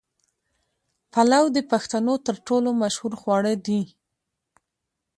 پلو د پښتنو تر ټولو مشهور خواړه دي.